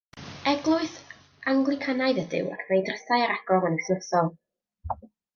Eglwys Anglicanaidd ydyw ac mae ei drysau ar agor yn wythnosol.